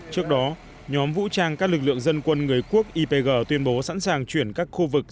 trước đó nhóm vũ trang các lực lượng dân quân người quốc ipg tuyên bố sẵn sàng chuyển các khu vực